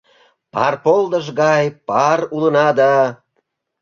Пар полдыш гай пар улына да